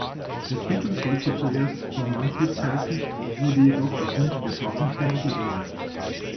Der Titel sollte zuerst "Four Monkeys" heißen, wurde jedoch auf Wunsch der Plattenfirma geändert.